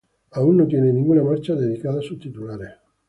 Aún no tienen ninguna marcha dedicada a sus titulares.